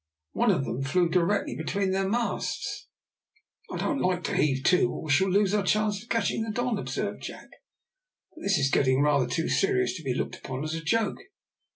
One of them flew directly between their masts. "I don't like to heave to, or we shall lose our chance of catching the Don," observed Jack; "but this is getting rather too serious to be looked upon as a joke."